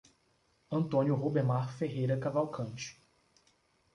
Antônio Rubemar Ferreira Cavalcante